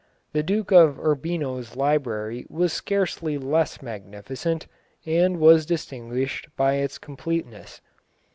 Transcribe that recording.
The Duke of Urbino's library was scarcely less magnificent, and was distinguished by its completeness.